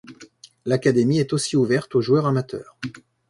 L'académie est aussi ouverte aux joueurs amateurs.